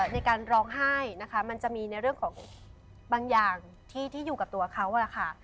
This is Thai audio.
ในการร้องไห้นะคะมันจะมีในเรื่องของบางอย่างที่อยู่กับตัวเขานะคะ